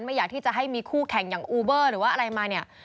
อยากที่จะให้มีคู่แข่งอย่างอูเบอร์หรือว่าอะไรมาเนี่ย